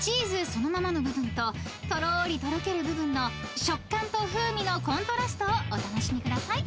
そのままの部分ととろりとろける部分の食感と風味のコントラストをお楽しみください］